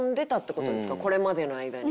これまでの間に。